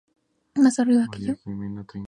Los retazos son de color grisáceo muy pálido.